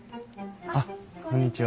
あっこんにちは。